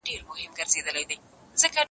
زه به سبا د درسونو يادونه وکړم!!